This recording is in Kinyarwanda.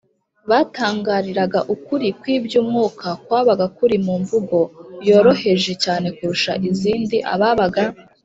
batangariraga ukuri kw’iby’umwuka kwabaga kuri mu mvugo yoroheje cyane kurusha izindi ababaga